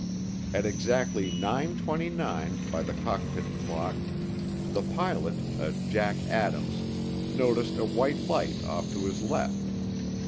At exactly nine twenty nine by the cockpit clock the pilot, a Jack Adams, noticed a white light off to his left.